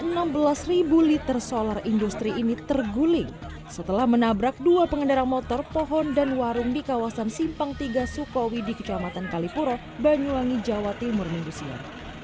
grup tanki berisi enam belas ribu liter solar industri ini terguling setelah menabrak dua pengendara motor pohon dan warung di kawasan simpang tiga sukowi di kecamatan kalipura banyuwangi jawa timur ndusia